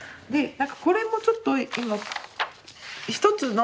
これもちょっと今一つの。